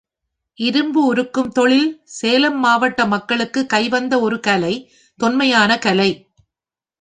இரும்பு உருக்கும் தொழில் சேலம் மாவட்ட மக்களுக்குக் கைவந்த ஒரு கலை தொன்மையான கலை.